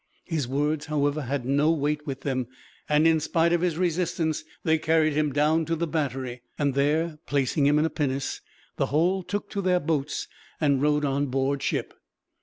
His words, however, had no weight with them and, in spite of his resistance, they carried him down to the battery; and there, placing him in a pinnace, the whole took to their boats, and rowed on board ship.